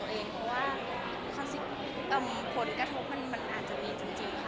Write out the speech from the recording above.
เพราะว่าผลกระทบมันอาจจะมีจริงค่ะ